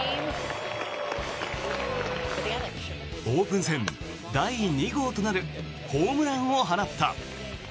オープン戦第２号となるホームランを放った。